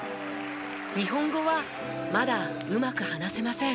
日本語はまだうまく話せません。